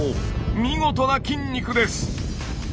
見事な筋肉です！